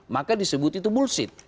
maka disebut itu bullshit